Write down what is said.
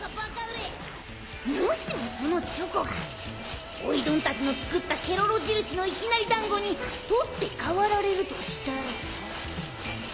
もしもそのチョコがおいどんたちの作ったケロロじるしのいきなりだんごに取って代わられるとしたら。